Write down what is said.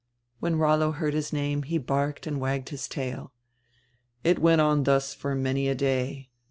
When Rollo heard his name he barked and wagged his tail. "It went on thus for many a day.